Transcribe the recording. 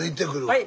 はい。